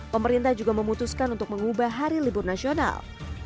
pemerintah juga memutuskan untuk mengubah hari libur nasional